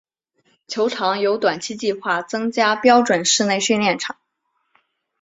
球场有短期计划增加标准室内训练场。